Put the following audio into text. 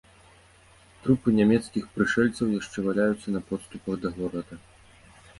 Трупы нямецкіх прышэльцаў яшчэ валяюцца на подступах да горада.